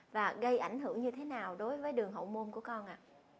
và gây ảnh hưởng như thế nào đối với đường hậu môn của con ạ